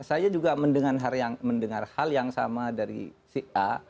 saya juga mendengar hal yang sama dari si a